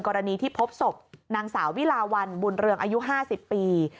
กรณีที่พบศพนางสาววิลาวันบุญเรืองอายุ๕๐ปี